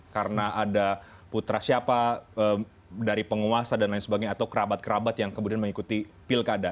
karena ada putra siapa dari penguasa dan lain sebagainya atau kerabat kerabat yang kemudian mengikuti pilkada